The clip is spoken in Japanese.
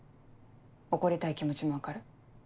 怒りたい気持ちも分かる。